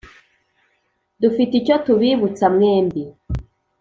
dufite icyo tubibutsa mwembi.